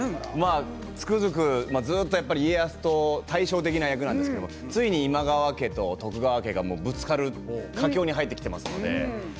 つくづく、ずっと家康と対照的な役なんですけどついに、今川家と徳川家がぶつかる佳境に入ってきています。